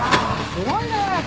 すごいね。